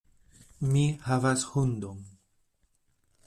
Mi havas hundon.